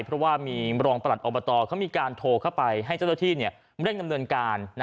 เพราะว่ามีรองประหลัดอบตเขามีการโทรเข้าไปให้เจ้าหน้าที่เร่งดำเนินการ